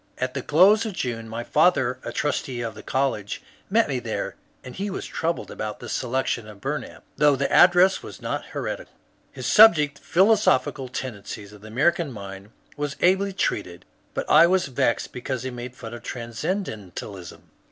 At the close of June my father, a trustee of the college, met me there, and he was troubled about the selection of Bumap, though the address was not heretical. His subject, ^^Philosophical Tendencies of the American Mind," was ably treated, but I was vexed because he made fun of Transcendentalism.